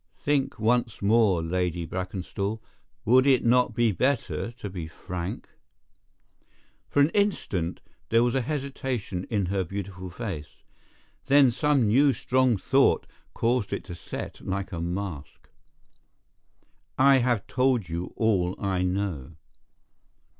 "Think once more, Lady Brackenstall. Would it not be better to be frank?" For an instant there was hesitation in her beautiful face. Then some new strong thought caused it to set like a mask. "I have told you all I know."